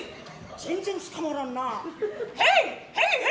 全然つかまらんな。